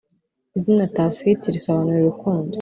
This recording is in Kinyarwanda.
“Izina Tuff Hit risobanuye urukundo